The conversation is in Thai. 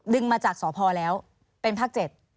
มาจากสพแล้วเป็นภาค๗